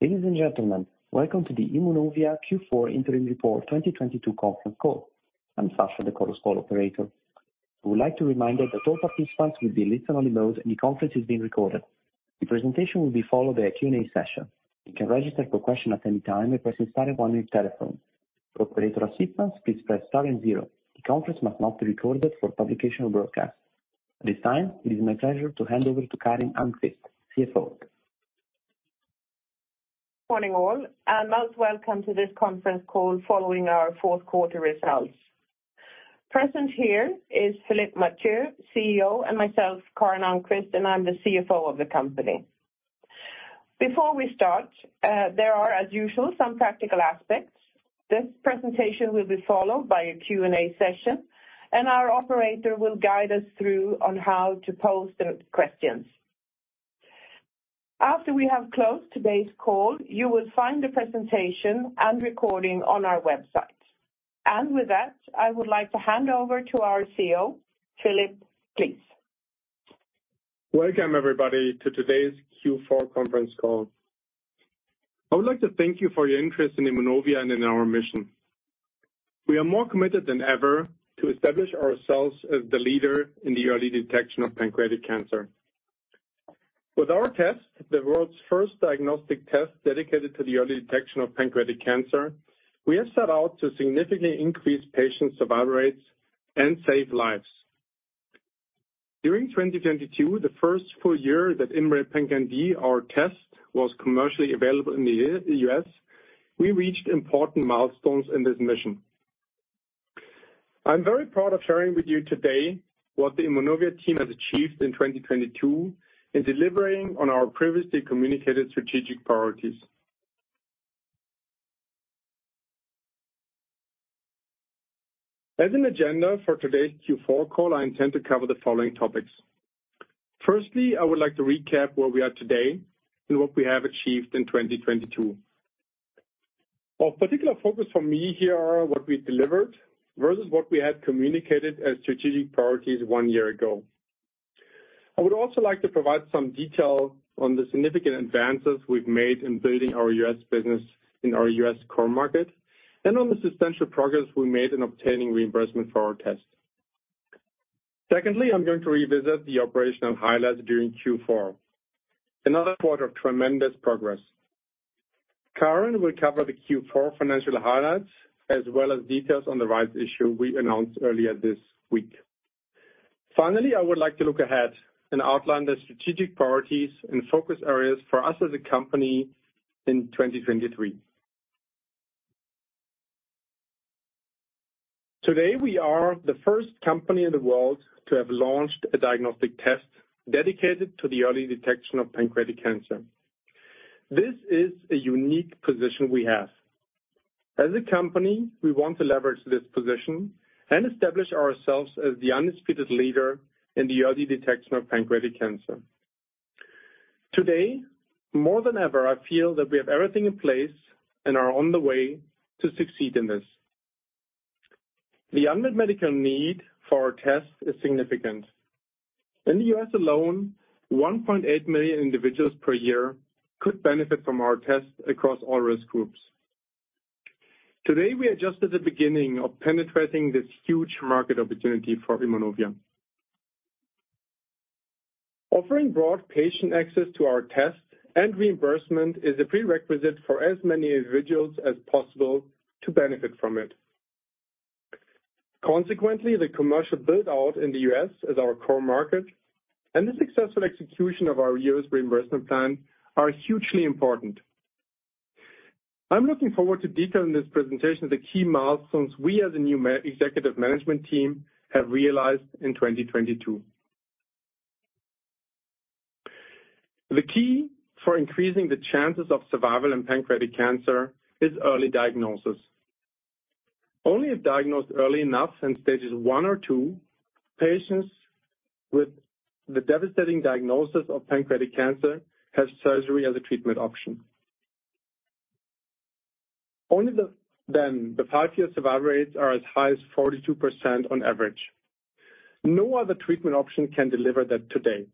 Ladies and gentlemen, welcome to the Immunovia Q4 interim report 2022 conference call. I'm Sasha, the call's call operator. I would like to remind you that all participants will be listen-only mode and the conference is being recorded. The presentation will be followed by a Q&A session. You can register for question at any time by pressing star one on your telephone. For operator assistance, please press star zero. The conference must not be recorded for publication or broadcast. At this time, it is my pleasure to hand over to Karin Almqvist, CFO. Morning all, most welcome to this conference call following our fourth quarter results. Present here is Philipp Mathieu, CEO, and myself, Karin Almqvist, and I'm the CFO of the company. Before we start, there are, as usual, some practical aspects. This presentation will be followed by a Q&A session, and our operator will guide us through on how to pose the questions. After we have closed today's call, you will find the presentation and recording on our website. With that, I would like to hand over to our CEO, Philipp, please. Welcome everybody to today's Q4 conference call. I would like to thank you for your interest in Immunovia and in our mission. We are more committed than ever to establish ourselves as the leader in the early detection of pancreatic cancer. With our test, the world's first diagnostic test dedicated to the early detection of pancreatic cancer, we have set out to significantly increase patient survival rates and save lives. During 2022, the first full year that IMMray PanCan-d, our test, was commercially available in the U.S., we reached important milestones in this mission. I'm very proud of sharing with you today what the Immunovia team has achieved in 2022 in delivering on our previously communicated strategic priorities. As an agenda for today's Q4 call, I intend to cover the following topics. I would like to recap where we are today and what we have achieved in 2022. Of particular focus for me here are what we delivered versus what we had communicated as strategic priorities one year ago. I would also like to provide some detail on the significant advances we've made in building our U.S. business in our U.S. core market and on the substantial progress we made in obtaining reimbursement for our test. I'm going to revisit the operational highlights during Q4, another quarter of tremendous progress. Karin will cover the Q4 financial highlights, as well as details on the rights issue we announced earlier this week. I would like to look ahead and outline the strategic priorities and focus areas for us as a company in 2023. Today, we are the first company in the world to have launched a diagnostic test dedicated to the early detection of pancreatic cancer. This is a unique position we have. As a company, we want to leverage this position and establish ourselves as the undisputed leader in the early detection of pancreatic cancer. Today, more than ever, I feel that we have everything in place and are on the way to succeed in this. The unmet medical need for our test is significant. In the U.S. alone, 1.8 million individuals per year could benefit from our test across all risk groups. Today, we are just at the beginning of penetrating this huge market opportunity for Immunovia. Offering broad patient access to our test and reimbursement is a prerequisite for as many individuals as possible to benefit from it. Consequently, the commercial build-out in the U.S. as our core market and the successful execution of our U.S. reimbursement plan are hugely important. I'm looking forward to detailing this presentation, the key milestones we as a new executive management team have realized in 2022. The key for increasing the chances of survival in pancreatic cancer is early diagnosis. Only if diagnosed early enough in stages I or II, patients with the devastating diagnosis of pancreatic cancer have surgery as a treatment option. Only then the five-year survival rates are as high as 42% on average. No other treatment option can deliver that today.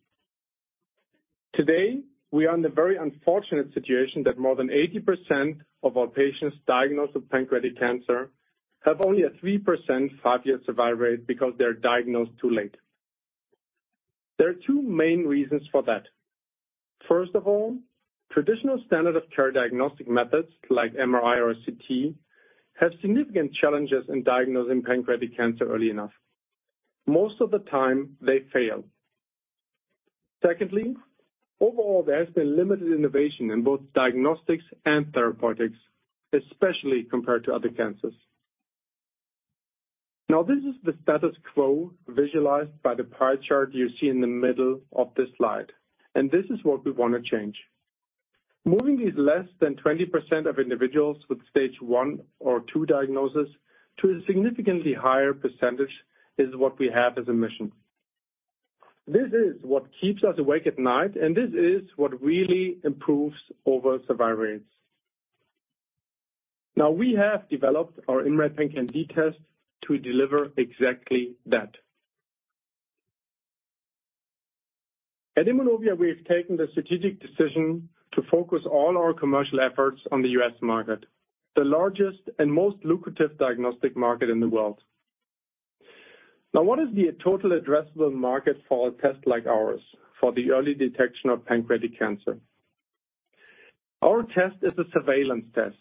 Today, we are in the very unfortunate situation that more than 80% of our patients diagnosed with pancreatic cancer have only a 3% five-year survival rate because they're diagnosed too late. There are two main reasons for that. First of all, traditional standard of care diagnostic methods like MRI or CT have significant challenges in diagnosing pancreatic cancer early enough. Most of the time, they fail. Secondly, overall, there has been limited innovation in both diagnostics and therapeutics, especially compared to other cancers. Now, this is the status quo visualized by the pie chart you see in the middle of this slide, and this is what we wanna change. Moving these less than 20% of individuals with stage I or II diagnosis to a significantly higher percentage is what we have as a mission. This is what keeps us awake at night, and this is what really improves over survival rates. We have developed our IMMray PanCan-d test to deliver exactly that. At Immunovia, we have taken the strategic decision to focus all our commercial efforts on the U.S. market, the largest and most lucrative diagnostic market in the world. What is the total addressable market for a test like ours for the early detection of pancreatic cancer? Our test is a surveillance test.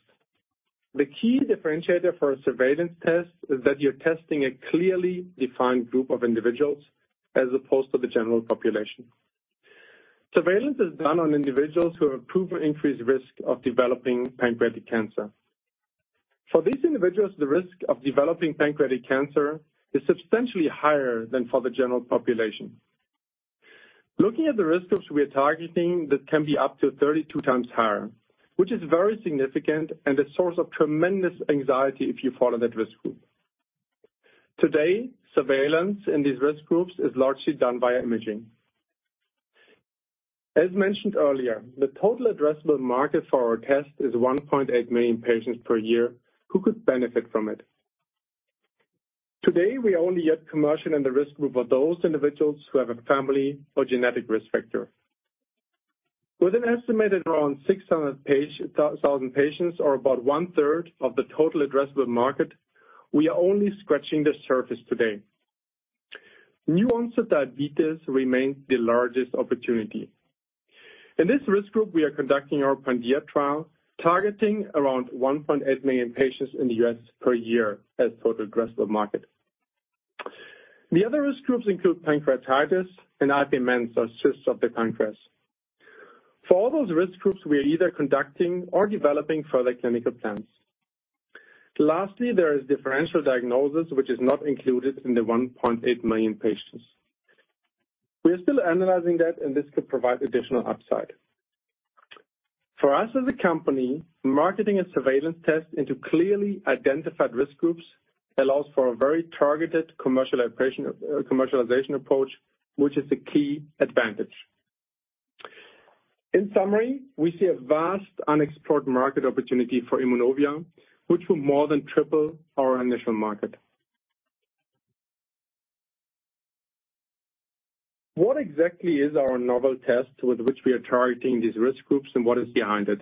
The key differentiator for a surveillance test is that you're testing a clearly defined group of individuals, as opposed to the general population. Surveillance is done on individuals who have proven increased risk of developing pancreatic cancer. For these individuals, the risk of developing pancreatic cancer is substantially higher than for the general population. Looking at the risk groups we are targeting, that can be up to 32x higher, which is very significant and a source of tremendous anxiety if you fall in that risk group. Today, surveillance in these risk groups is largely done via imaging. As mentioned earlier, the total addressable market for our test is 1.8 million patients per year who could benefit from it. Today, we are only at commercial in the risk group of those individuals who have a family or genetic risk factor. With an estimated around 600,000 patients or about 1/3 of the total addressable market, we are only scratching the surface today. New-onset diabetes remains the largest opportunity. In this risk group, we are conducting our PanDIA-1 trial, targeting around 1.8 million patients in the U.S. per year as total addressable market. The other risk groups include pancreatitis and IPMNs, or cysts of the pancreas. For all those risk groups, we are either conducting or developing further clinical plans. Lastly, there is differential diagnosis, which is not included in the 1.8 million patients. This could provide additional upside. For us as a company, marketing a surveillance test into clearly identified risk groups allows for a very targeted commercialization approach, which is the key advantage. In summary, we see a vast unexplored market opportunity for Immunovia, which will more than triple our initial market. What exactly is our novel test with which we are targeting these risk groups and what is behind it?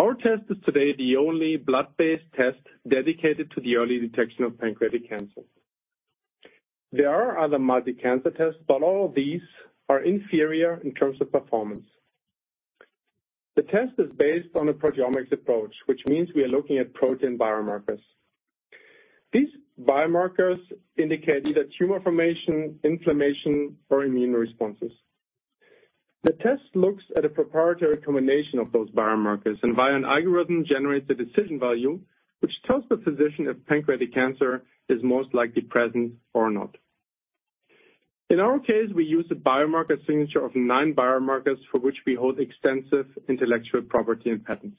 Our test is today the only blood-based test dedicated to the early detection of pancreatic cancer. There are other multi-cancer tests, all of these are inferior in terms of performance. The test is based on a proteomics approach, which means we are looking at protein biomarkers. These biomarkers indicate either tumor formation, inflammation, or immune responses. The test looks at a proprietary combination of those biomarkers, and via an algorithm, generates a decision value, which tells the physician if pancreatic cancer is most likely present or not. In our case, we use a biomarker signature of nine biomarkers for which we hold extensive intellectual property and patents.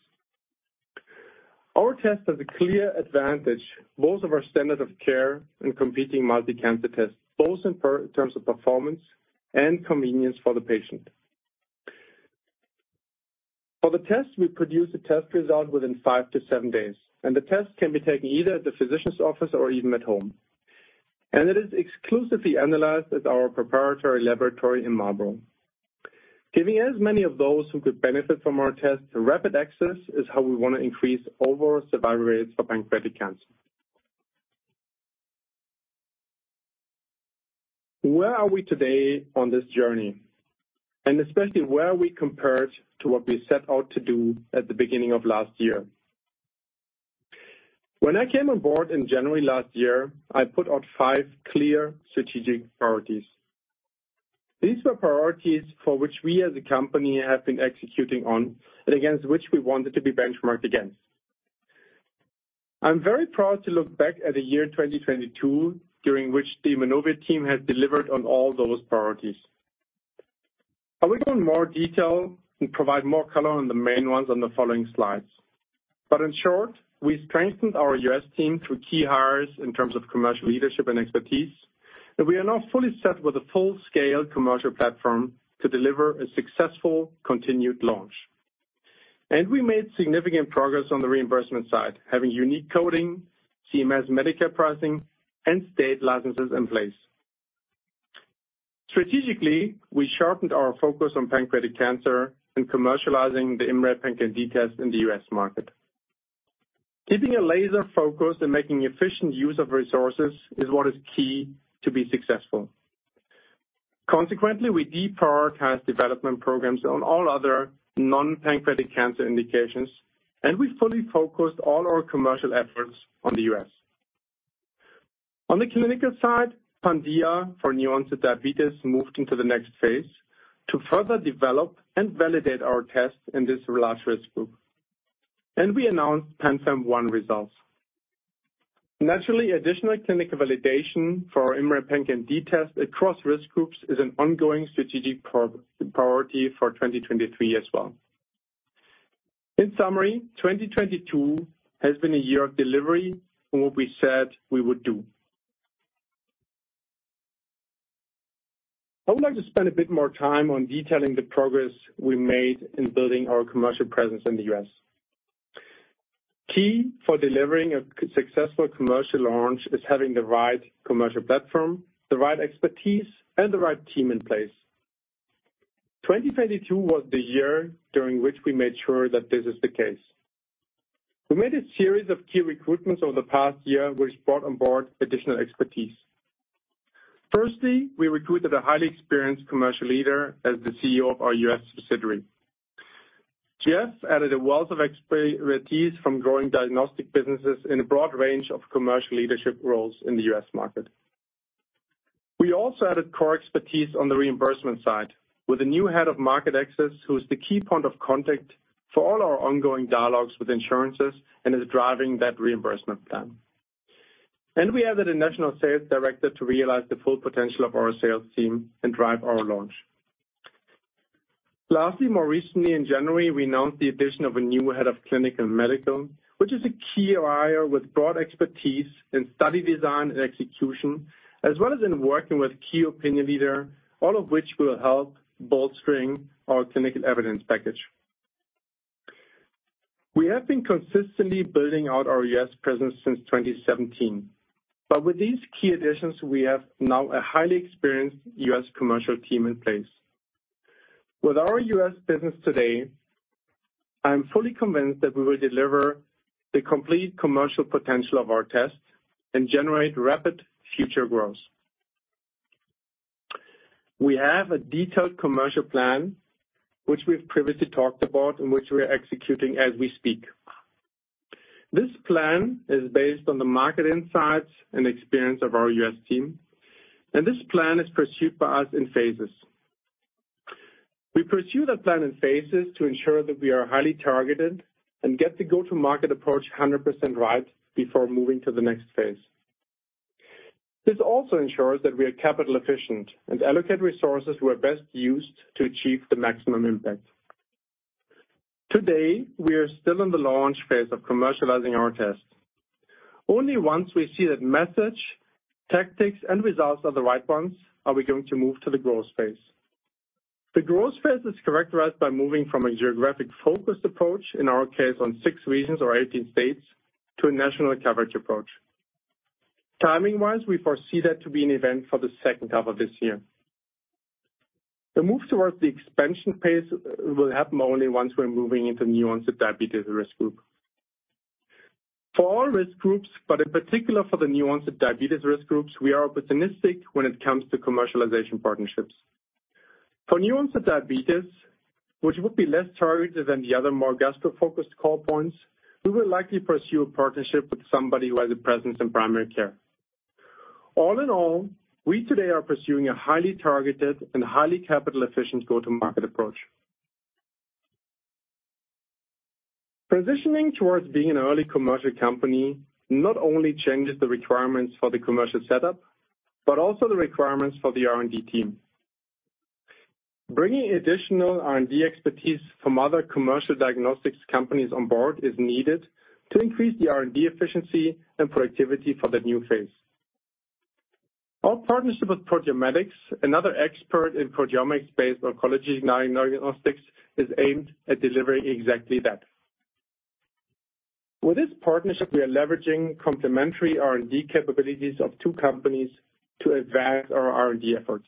Our test has a clear advantage, both of our standard of care and competing multi-cancer tests, both in terms of performance and convenience for the patient. For the test, we produce a test result within five to seven days, and the test can be taken either at the physician's office or even at home. It is exclusively analyzed at our proprietary laboratory in Marlborough. Giving as many of those who could benefit from our test rapid access is how we wanna increase overall survival rates for pancreatic cancer. Where are we today on this journey? Especially where are we compared to what we set out to do at the beginning of last year. When I came on board in January last year, I put out five clear strategic priorities. These were priorities for which we as a company have been executing on and against which we wanted to be benchmarked against. I'm very proud to look back at the year 2022, during which the Immunovia team has delivered on all those priorities. I will go in more detail and provide more color on the main ones on the following slides. In short, we strengthened our U.S. team through key hires in terms of commercial leadership and expertise, and we are now fully set with a full-scale commercial platform to deliver a successful continued launch. We made significant progress on the reimbursement side, having unique coding, CMS Medicare pricing, and state licenses in place. Strategically, we sharpened our focus on pancreatic cancer and commercializing the IMMray PanCan-d test in the U.S. market. Keeping a laser focus and making efficient use of resources is what is key to be successful. Consequently, we deprioritized development programs on all other non-pancreatic cancer indications, and we fully focused all our commercial efforts on the U.S. On the clinical side, PanDIA-1 for new-onset diabetes moved into the next phase to further develop and validate our tests in this large risk group. We announced PanFAM-1 results. Naturally, additional clinical validation for our IMMray PanCan-d test across risk groups is an ongoing strategic priority for 2023 as well. In summary, 2022 has been a year of delivery on what we said we would do. I would like to spend a bit more time on detailing the progress we made in building our commercial presence in the U.S. Key for delivering a successful commercial launch is having the right commercial platform, the right expertise, and the right team in place. 2022 was the year during which we made sure that this is the case. We made a series of key recruitments over the past year, which brought on board additional expertise. Firstly, we recruited a highly experienced commercial leader as the CEO of our U.S. subsidiary. Jeff added a wealth of expertise from growing diagnostic businesses in a broad range of commercial leadership roles in the U.S. market. We also added core expertise on the reimbursement side with a new head of market access who is the key point of contact for all our ongoing dialogues with insurances and is driving that reimbursement plan. We added a national sales director to realize the full potential of our sales team and drive our launch. Lastly, more recently in January, we announced the addition of a new head of clinical medical, which is a key hire with broad expertise in study design and execution, as well as in working with key opinion leader, all of which will help bolstering our clinical evidence package. We have been consistently building out our U.S. presence since 2017. With these key additions, we have now a highly experienced U.S. commercial team in place. With our U.S. business today, I'm fully convinced that we will deliver the complete commercial potential of our test and generate rapid future growth. We have a detailed commercial plan, which we've previously talked about, in which we are executing as we speak. This plan is based on the market insights and experience of our U.S. team. This plan is pursued by us in phases to ensure that we are highly targeted and get the go-to-market approach 100% right before moving to the next phase. This also ensures that we are capital efficient and allocate resources who are best used to achieve the maximum impact. Today, we are still in the launch phase of commercializing our tests. Only once we see that message, tactics, and results are the right ones are we going to move to the growth phase. The growth phase is characterized by moving from a geographic-focused approach, in our case, on regions or 18 states, to a national coverage approach. Timing-wise, we foresee that to be an event for the second half of this year. The move towards the expansion phase will happen only once we're moving into new-onset diabetes risk group. For all risk groups, but in particular for the new-onset diabetes risk groups, we are opportunistic when it comes to commercialization partnerships. For new-onset diabetes, which would be less targeted than the other more gastro-focused call points, we will likely pursue a partnership with somebody who has a presence in primary care. All in all, we today are pursuing a highly targeted and highly capital efficient go-to-market approach. Positioning towards being an early commercial company not only changes the requirements for the commercial setup, but also the requirements for the R&D team. Bringing additional R&D expertise from other commercial diagnostics companies on board is needed to increase the R&D efficiency and productivity for that new phase. Our partnership with Proteomedix, another expert in proteomics-based oncology diagnostics, is aimed at delivering exactly that. With this partnership, we are leveraging complementary R&D capabilities of two companies to advance our R&D efforts.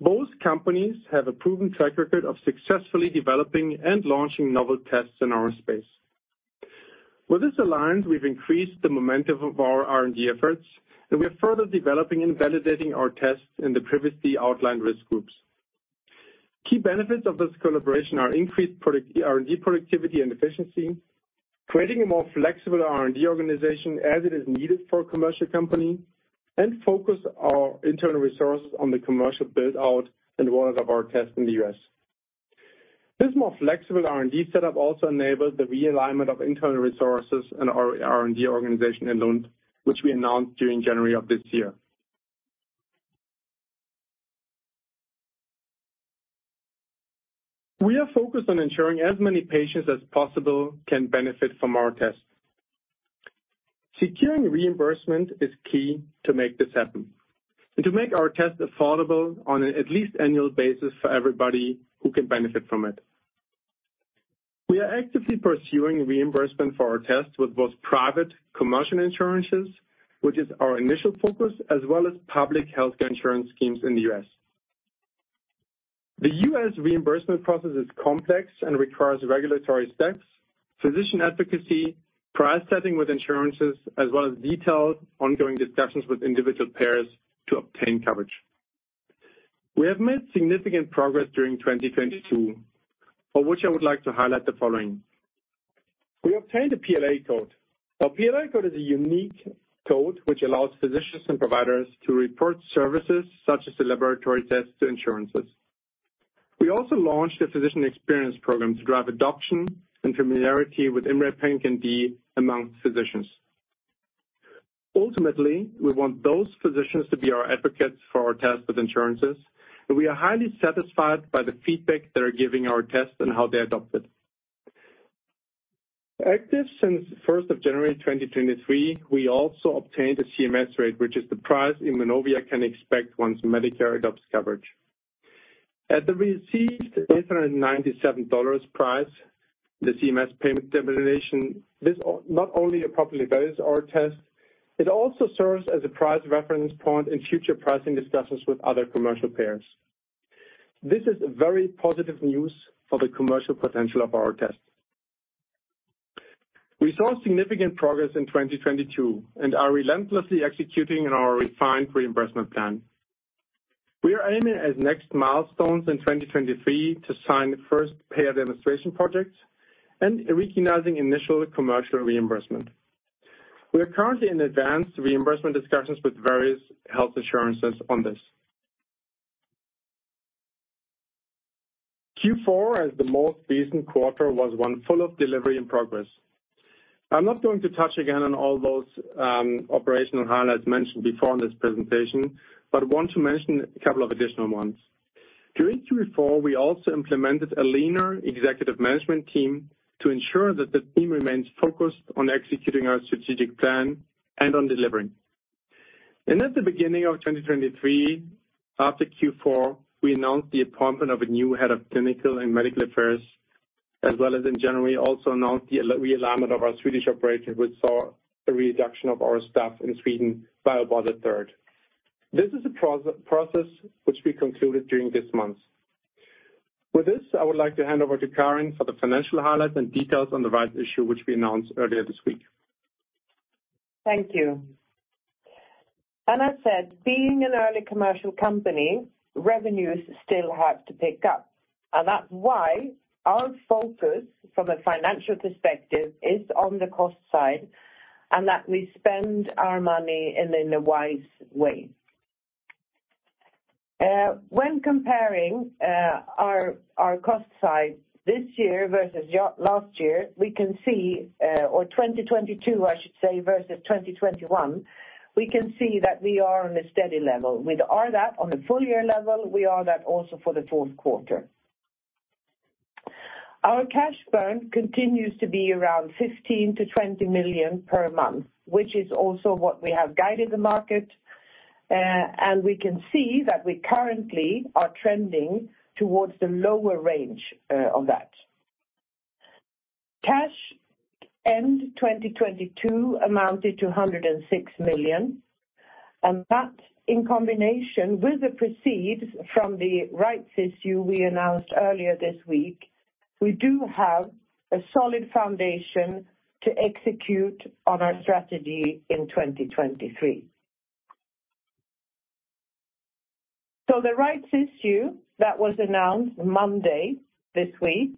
Both companies have a proven track record of successfully developing and launching novel tests in our space. With this alliance, we've increased the momentum of our R&D efforts, and we are further developing and validating our tests in the previously outlined risk groups. Key benefits of this collaboration are increased R&D productivity and efficiency, creating a more flexible R&D organization as it is needed for a commercial company, and focus our internal resources on the commercial build-out and roll-out of our tests in the U.S. This more flexible R&D setup also enables the realignment of internal resources and our R&D organization in Lund, which we announced during January of this year. We are focused on ensuring as many patients as possible can benefit from our test. Securing reimbursement is key to make this happen and to make our test affordable on an at least annual basis for everybody who can benefit from it. We are actively pursuing reimbursement for our tests with both private commercial insurances, which is our initial focus, as well as public healthcare insurance schemes in the U.S. The US reimbursement process is complex and requires regulatory steps, physician advocacy, price setting with insurances, as well as detailed ongoing discussions with individual payers to obtain coverage. We have made significant progress during 2022, for which I would like to highlight the following. We obtained a PLA code. A PLA code is a unique code which allows physicians and providers to report services such as the laboratory tests to insurances. We also launched a physician experience program to drive adoption and familiarity with IMMray PanCan-d among physicians. Ultimately, we want those physicians to be our advocates for our tests with insurances, and we are highly satisfied by the feedback they are giving our tests and how they adopt it. Active since January 1st, 2023, we also obtained a CMS rate, which is the price Immunovia can expect once Medicare adopts coverage. At the received $897 price, the CMS payment demonstration, this not only appropriately values our test, it also serves as a price reference point in future pricing discussions with other commercial payers. This is very positive news for the commercial potential of our test. We saw significant progress in 2022 and are relentlessly executing on our refined reimbursement plan. We are aiming as next milestones in 2023 to sign the first payer demonstration project and recognizing initial commercial reimbursement. We are currently in advanced reimbursement discussions with various health assurances on this. Q4 as the most recent quarter was one full of delivery and progress. I'm not going to touch again on all those operational highlights mentioned before in this presentation, but want to mention a couple of additional ones. During Q4, we also implemented a leaner executive management team to ensure that the team remains focused on executing our strategic plan and on delivering. At the beginning of 2023, after Q4, we announced the appointment of a new head of clinical and medical affairs, as well as in January, also announced the realignment of our Swedish operation, which saw a reduction of our staff in Sweden by about a third. This is a pro-process which we concluded during this month. With this, I would like to hand over to Karin for the financial highlights and details on the rights issue, which we announced earlier this week. Thank you. As I said, being an early commercial company, revenues still have to pick up. That's why our focus from a financial perspective is on the cost side, and that we spend our money in a wise way. When comparing our cost side this year versus last year, we can see, or 2022, I should say, versus 2021, we can see that we are on a steady level. With our DA on a full year level, we are that also for the fourth quarter. Our cash burn continues to be around 15 million-20 million per month, which is also what we have guided the market. We can see that we currently are trending towards the lower range of that. Cash end 2022 amounted to 106 million, and that in combination with the proceeds from the rights issue we announced earlier this week, we do have a solid foundation to execute on our strategy in 2023. The rights issue that was announced Monday this week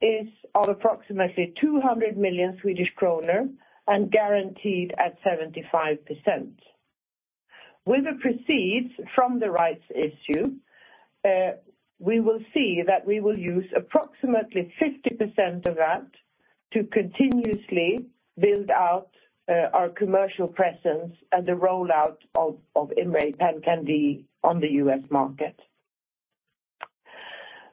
is of approximately 200 million Swedish kronor and guaranteed at 75%. With the proceeds from the rights issue, we will see that we will use approximately 50% of that to continuously build out our commercial presence and the rollout of IMMray PanCan-d on the U.S. market.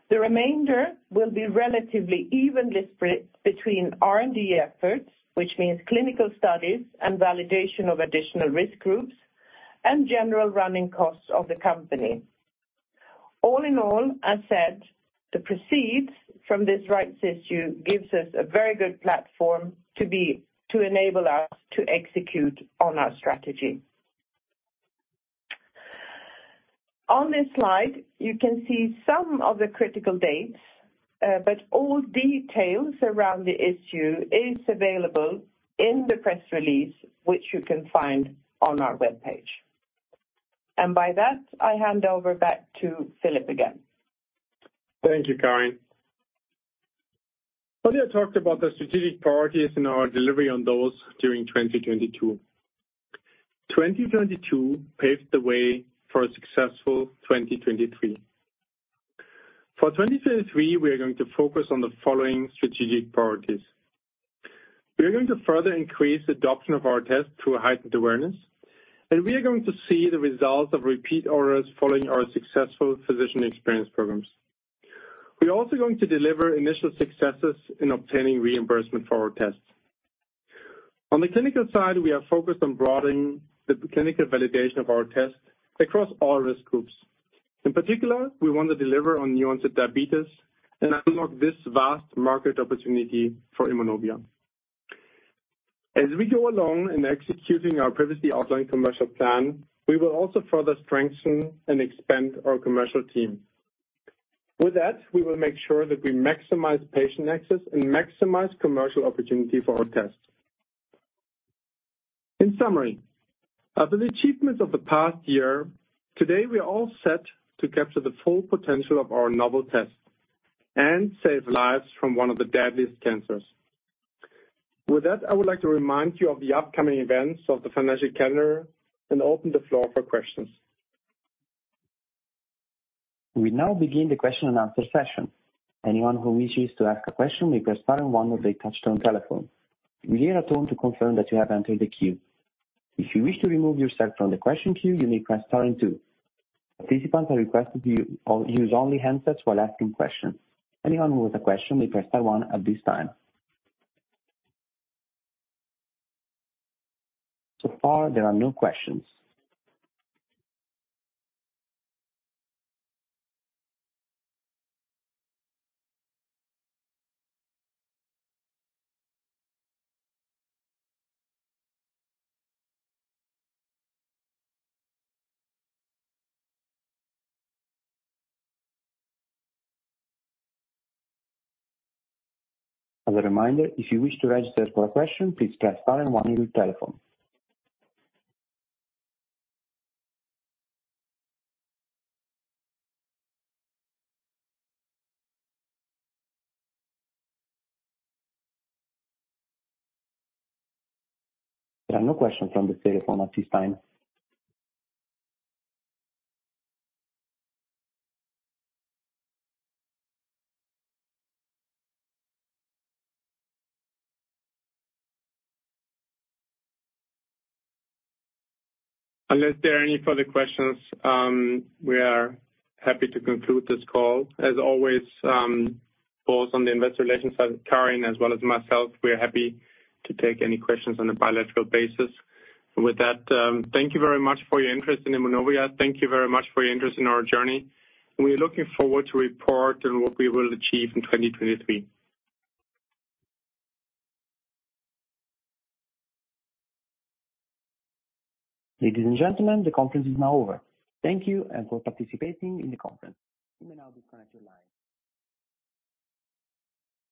The remainder will be relatively evenly split between R&D efforts, which means clinical studies and validation of additional risk groups and general running costs of the company. All in all, as said, the proceeds from this rights issue gives us a very good platform to enable us to execute on our strategy. On this slide, you can see some of the critical dates, but all details around the issue is available in the press release, which you can find on our webpage. By that, I hand over back to Philipp again. Thank you, Karin. Earlier, I talked about the strategic priorities in our delivery on those during 2022. 2022 paved the way for a successful 2023. 2023, we are going to focus on the following strategic priorities. We are going to further increase adoption of our test through heightened awareness. We are going to see the results of repeat orders following our successful physician experience programs. We're also going to deliver initial successes in obtaining reimbursement for our tests. On the clinical side, we are focused on broadening the clinical validation of our test across all risk groups. In particular, we want to deliver on onset diabetes and unlock this vast market opportunity for Immunovia. As we go along in executing our previously outlined commercial plan, we will also further strengthen and expand our commercial team. With that, we will make sure that we maximize patient access and maximize commercial opportunity for our test. In summary, after the achievements of the past year, today we are all set to capture the full potential of our novel test and save lives from one of the deadliest cancers. With that, I would like to remind you of the upcoming events of the financial calendar and open the floor for questions. We now begin the question-and-answer session. Anyone who wishes to ask a question may press star and one on the touchtone telephone. You will hear a tone to confirm that you have entered the queue. If you wish to remove yourself from the question queue, you may press star and two. Participants are requested to use only handsets while asking questions. Anyone with a question may press star one at this time. So far, there are no questions. As a reminder, if you wish to register for a question, please press star and one on your telephone. There are no questions on the telephone at this time. Unless there are any further questions, we are happy to conclude this call. As always, both on the Investor Relations side with Karin as well as myself, we are happy to take any questions on a bilateral basis. With that, thank you very much for your interest in Immunovia. Thank you very much for your interest in our journey, and we are looking forward to report on what we will achieve in 2023. Ladies and gentlemen, the conference is now over. Thank you and for participating in the conference. You may now disconnect your line.